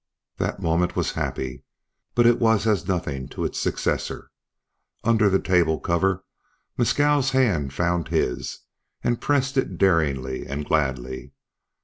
That moment was happy, but it was as nothing to its successor. Under the table cover Mescal's hand found his, and pressed it daringly and gladly.